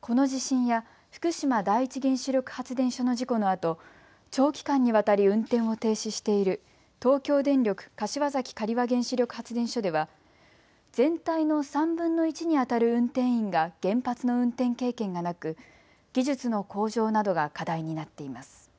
この地震や福島第一原子力発電所の事故のあと長期間にわたり運転を停止している東京電力柏崎刈羽原子力発電所では全体の３分の１にあたる運転員が原発の運転経験がなく技術の向上などが課題になっています。